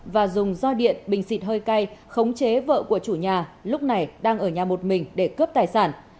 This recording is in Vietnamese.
và dùng roi điện bình xịt hơi cay khống chế vợ của chủ nhà lúc này đang ở nhà một mình để cướp tài sản